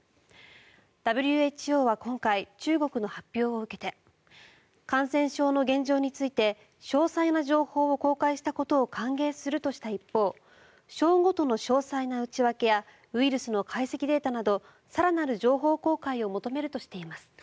ＷＨＯは今回中国の発表を受けて感染症の現状について詳細な情報を公開したことを歓迎するとした一方省ごとの詳細な内訳やウイルスの解析データなど更なる情報公開を求めるとしています。